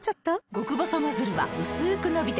極細ノズルはうすく伸びて